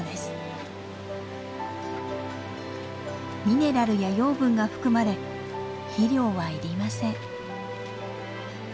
ミネラルや養分が含まれ肥料は要りません。